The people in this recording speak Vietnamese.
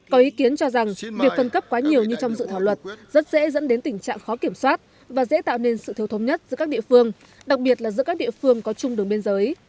có ý kiến cho rằng việc phân cấp quá nhiều như trong dự thảo luật rất dễ dẫn đến tình trạng khó kiểm soát và dễ tạo nên sự thiếu thống nhất giữa các địa phương đặc biệt là giữa các địa phương có chung đường biên giới